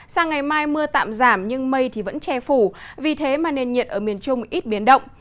sang ngày mai mưa tạm giảm nhưng mây vẫn che phủ vì thế mà nền nhiệt ở miền trung ít biến động